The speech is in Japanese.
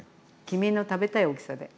君の食べたい大きさで。